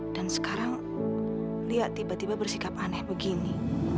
dan sekarang lihat tiba tiba bersikap aneh begini